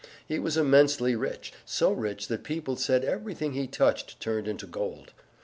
He was immensely rich so rich that people said everything he touched turned into gold.